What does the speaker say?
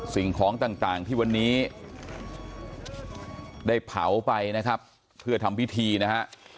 สิ่งของต่างที่วันนี้ได้เผาไปนะครับเพื่อทำพิธีนะฮะ